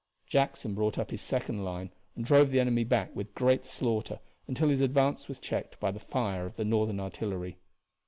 Jackson brought up his second line and drove the enemy back with great slaughter until his advance was checked by the fire of the Northern artillery.